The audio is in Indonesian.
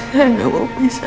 saya gak mau berpisah